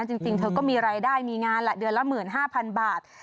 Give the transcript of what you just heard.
จริงจริงเธอก็มีรายได้มีงานแหละเดือนละหมื่นห้าพันบาท